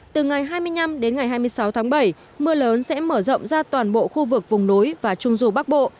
từ ngày hai mươi năm đến ngày hai mươi sáu tháng bảy mưa lớn sẽ mở rộng ra toàn bộ khu vực vùng núi và trung dù bắc bộ